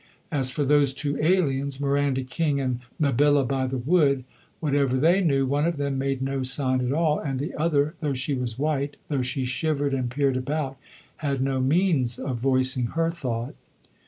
As for those two aliens, Miranda King and Mabilla By the Wood, whatever they knew, one of them made no sign at all, and the other, though she was white, though she shivered and peered about, had no means of voicing her thought.